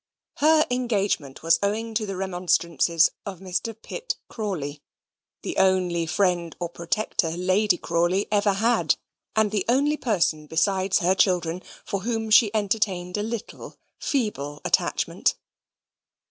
Her engagement was owing to the remonstrances of Mr. Pitt Crawley, the only friend or protector Lady Crawley ever had, and the only person, besides her children, for whom she entertained a little feeble attachment.